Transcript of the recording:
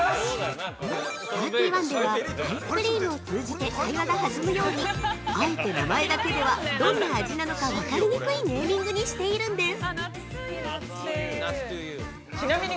◆サーティワンでは、アイスクリームを通じて会話が弾むように、あえて名前だけでは、どんな味なのかわかりにくいネーミングにしているんです！